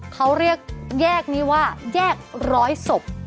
เขาเรียกแยกนี้ว่าแยกร้อยศพ